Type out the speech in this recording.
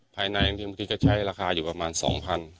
ภายในที่ผมคิดก็ใช้ราคาอยู่ประมาณสองพัน